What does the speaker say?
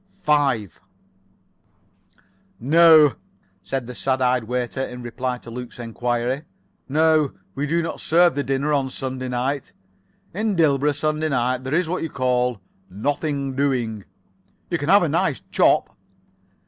5 "No," said the sad eyed waiter, in reply to Luke's enquiry. "No, we do not serve the dinner on Sunday night. In Dilborough Sunday night, there is what you call, nothing doing. You can have a nice chop."